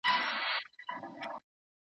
د پسونو او مېږو غږونه په غره کې ازانګې کولې.